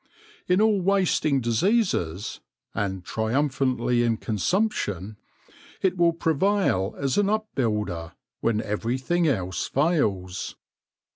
In all wasting diseases, and triumphantly in consumption, it will prevail as an up builder when everything else fails.